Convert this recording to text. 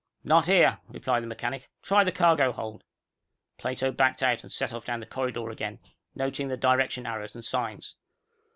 "Not here," replied the mechanic. "Try the cargo hold." Plato backed out and set off down the corridor again, noting the direction arrows and signs.